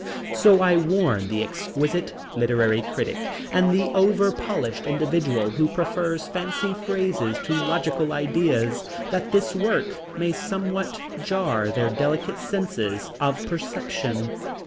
So I warn the exquisite literary critic and the over polished individual who prefer fancy phrases to logical ideas, that this work may somewhat jar their delicate senses of perception.